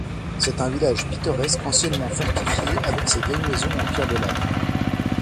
C'est un village pittoresque, anciennement fortifié, avec ses vieilles maisons en pierre de lave.